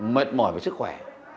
mệt mỏi về sức khỏe